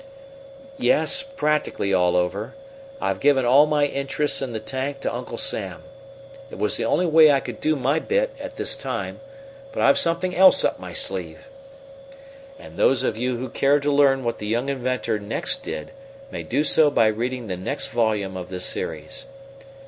"Yes, practically all over. I've given all my interests in the tank to Uncle Sam. It was the only way I could do my bit, at this time. But I've something else up my sleeve." And those of you who care to learn what the young inventor next did may do so by reading the next volume of this series.